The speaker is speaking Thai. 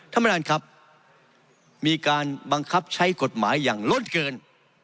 ท่านประธานครับมีการบังคับใช้กฎหมายอย่างลดเกิน